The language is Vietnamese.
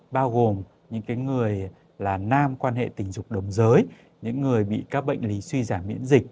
bao gồm những người là nam quan hệ tình dục đồng giới những người bị các bệnh lý suy giảm miễn dịch